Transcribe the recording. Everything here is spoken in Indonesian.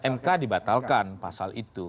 mk dibatalkan pasal itu